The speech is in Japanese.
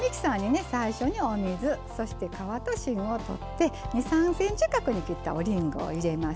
最初にお水そして皮と芯を取って２３ｃｍ角に切ったおりんごを入れます。